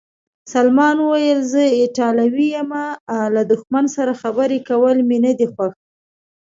سلمان وویل: زه ایټالوی یم، له دښمن سره خبرې کول مې نه دي خوښ.